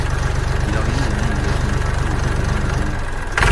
Il organise et mène des actions défensives au cours du mois du juillet.